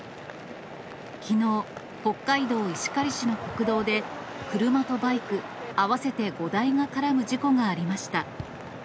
きのう、北海道石狩市の国道で、車とバイク合わせて５台が絡む事故がありました。